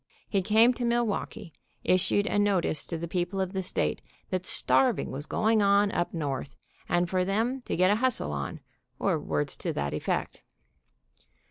He came to Milwaukee, issued a notice to the people of the state that starving was going on up North, and for them to get a hustle on, or words to that effect.